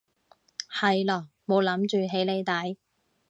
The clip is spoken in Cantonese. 係囉冇諗住起你底